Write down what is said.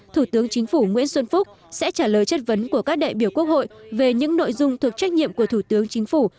thủ tướng chính phủ nguyễn xuân phúc sẽ trả lời chất vấn của các đại biểu quốc hội về những nội dung thuộc trách nhiệm của thủ tướng chính phủ